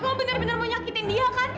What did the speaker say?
gue bener bener mau nyakitin dia kan